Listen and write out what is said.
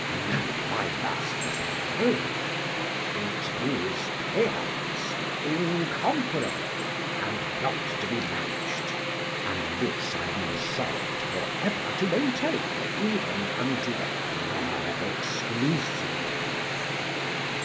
No, my masters, no; it is peerless, incomparable, and not to be matched; and this am I resolved for ever to maintain even unto the fire exclusive.